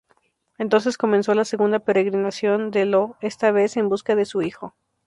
Entonces comenzó la segunda peregrinación de Io, esta vez en busca de su hijo.